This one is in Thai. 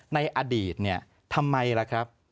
ในอดีตทำไมล่ะครับ